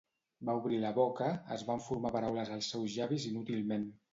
Va obrir la boca; es van formar paraules als seus llavis inútilment.